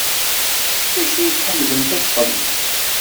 D acu i tḥemmlemt ad txedmemt?